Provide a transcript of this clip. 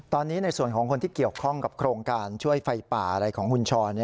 ตอนนี้ในส่วนของคนที่เกี่ยวข้องกับโครงการช่วยไฟป่าอะไรของคุณชร